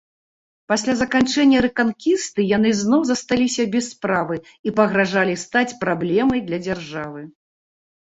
Пасля заканчэння рэканкісты яны зноў засталіся без справы і пагражалі стаць праблемай для дзяржавы.